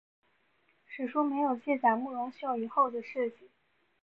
史书没有记载慕容秀以后的事迹。